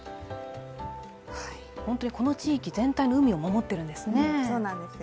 本当にこの地域全体の海を守っているんですね。